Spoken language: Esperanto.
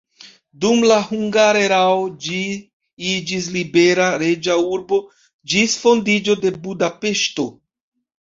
Dum la hungara erao ĝi iĝis libera reĝa urbo ĝis fondiĝo de Budapeŝto.